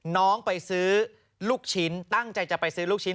น้องไปซื้อลูกชิ้นตั้งใจจะไปซื้อลูกชิ้น